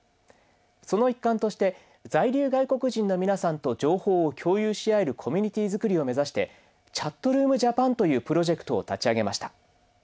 その一環として在留外国人の皆さんと情報を共有し合えるコミュニティー作りを目指して「ＣｈａｔｒｏｏｍＪａｐａｎ」というプロジェクトを立ち上げました。